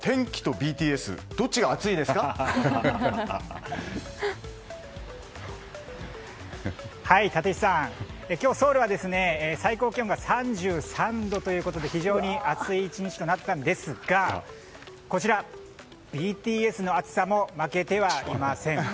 ＢＴＳ立石さん、今日ソウルは最高気温が３３度ということで非常に暑い１日となったんですがこちら、ＢＴＳの熱さも負けてはいません。